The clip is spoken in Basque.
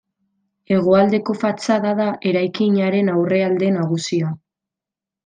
Hegoaldeko fatxada da eraikinaren aurrealde nagusia.